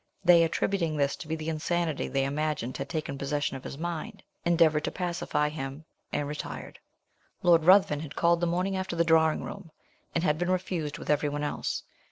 They, attributing this to the insanity they imagined had taken possession of his mind, endeavoured to pacify him, and retired. Lord Ruthven had called the morning after the drawing room, and had been refused with every one else.